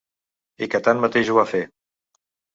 I que tanmateix ho va fer.